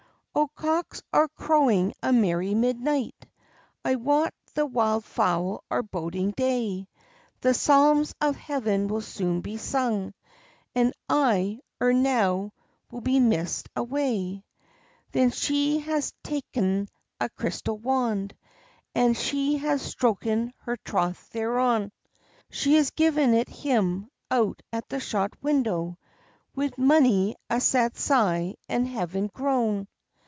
"O, cocks are crowing a merry midnight, I wot the wild fowl are boding day; The psalms of heaven will soon be sung, And I, ere now, will be missed away." Then she has ta'en a crystal wand, And she has stroken her troth thereon; She has given it him out at the shot window, Wi' mony a sad sigh, and heavy groan.